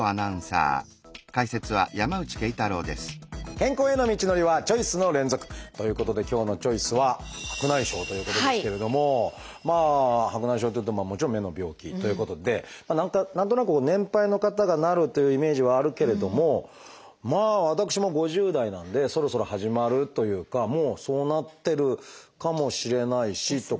健康への道のりはチョイスの連続！ということで今日の「チョイス」は白内障というともちろん目の病気ということで何となく年配の方がなるというイメージはあるけれどもまあ私も５０代なのでそろそろ始まるというかもうそうなってるかもしれないしとかって。